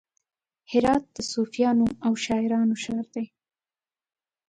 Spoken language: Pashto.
هرات د صوفیانو او شاعرانو ښار دی.